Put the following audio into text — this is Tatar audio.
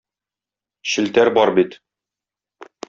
Челтәр бар бит.